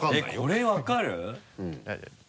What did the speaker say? これ分かる？